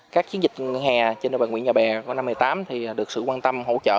các chiến dịch hè trên địa bàn nguyễn nhà bè vào năm hai nghìn một mươi tám được sự quan tâm hỗ trợ